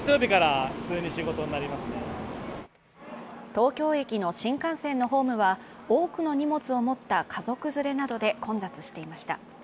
東京駅の新幹線のホームは多くの荷物を持った家族連れなどで混雑していました。